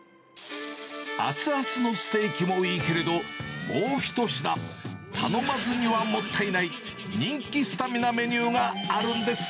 熱々のステーキもいいけれど、もう一品、頼まずにはもったいない、人気スタミナメニューがあるんです。